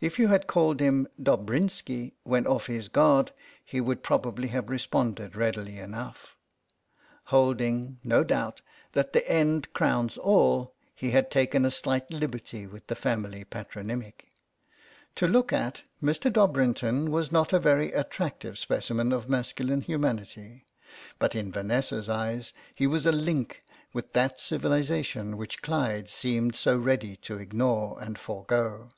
If you had called him Dobrinski when off his guard he would probably have responded readily enough; holding, no doubt, that the end crowns all, he had taken a slight liberty with the family patronymic. To look at, Mr. Dobrinton was not a very attractive specimen of masculine humanity, but in Vanessa's eyes he was a link with that civilisation which Clyde seemed so ready to ignore and forgo.